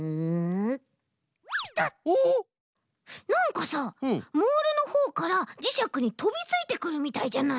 なんかさモールのほうからじしゃくにとびついてくるみたいじゃない？